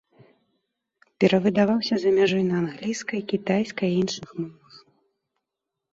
Перавыдаваўся за мяжой на англійскай, кітайскай і іншых мовах.